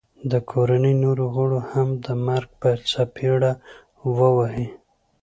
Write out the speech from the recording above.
د کوړنۍ نورو غړو هم د مرګ په څپېړه وه وهي